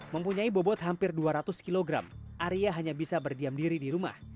mempunyai bobot hampir dua ratus kg arya hanya bisa berdiam diri di rumah